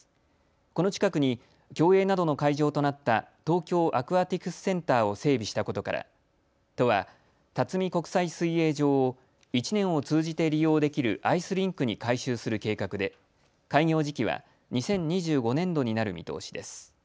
この近くに競泳などの会場となった東京アクアティクスセンターを整備したことから都は辰巳国際水泳場を１年を通じて利用できるアイスリンクに改修する計画で開業時期は２０２５年度になる見通しです。